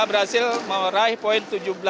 berhasil meraih poin tujuh belas dua puluh satu